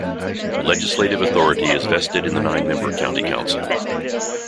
Legislative authority is vested in the nine-member county council.